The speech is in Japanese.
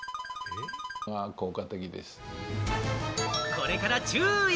これから注意！